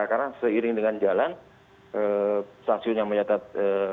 karena seiring dengan jalan stasiun yang menyatakan